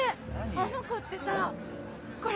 あの子ってさこれ！